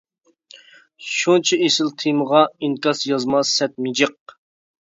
شۇنچە ئېسىل تېمىغا، ئىنكاس يازما سەت مىجىق.